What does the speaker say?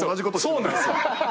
そうなんすよ。